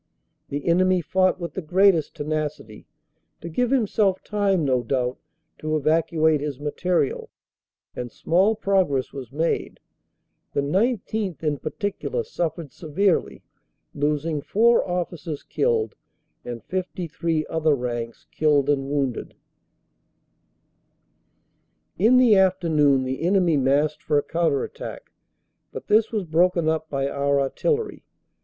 The enemy fought with the greatest tenacity, to give himself time no doubt to evacuate his material, and small progress was made. The 19th. in particular suffered severely, losing four officers killed and 53 other ranks killed and wounded. 382 CANADA S HUNDRED DAYS In the afternoon the enemy massed for a counter attack, but this was broken up by our artillery.